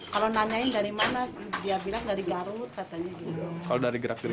kalau nanyain dari mana dia bilang dari garut katanya